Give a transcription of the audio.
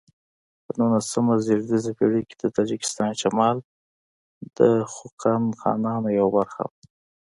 په نولسمه زېږدیزه پیړۍ کې د تاجکستان شمال د خوقند خانانو یوه برخه و.